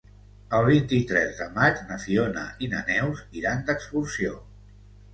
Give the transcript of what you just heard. El vint-i-tres de maig na Fiona i na Neus iran d'excursió.